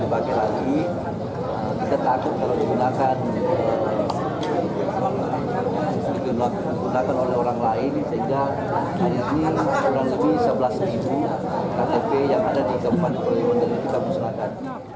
sehingga akhirnya ini kurang lebih sebelas ktp yang ada di kepan wali mandar yang kita musnahkan